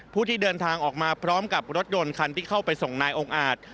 ผู้ที่เดินทางออกมาพร้อมกับรถยนต์คันที่เข้าไปส่งนายองค์อาจ